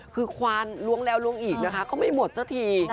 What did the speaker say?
คือควานล้วงแล้วล้วงอีกนะคะก็ไม่หมดสักที